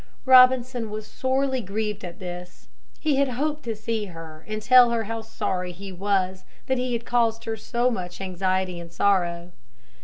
Robinson was sorely grieved at this. He had hoped to see her and tell her how sorry he was that he had caused her so much anxiety and sorrow.